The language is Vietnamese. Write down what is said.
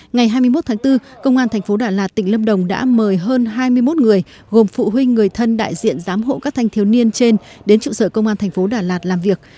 ngày hai mươi một tháng bốn công an thành phố đà lạt tỉnh lâm đồng đã mời hơn hai mươi một người gồm phụ huynh người thân đại diện giám hộ các thanh thiếu niên trên đến trụ sở công an thành phố đà lạt làm việc